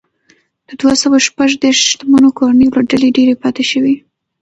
د دوه سوه شپږ دېرش شتمنو کورنیو له ډلې ډېرې پاتې شوې.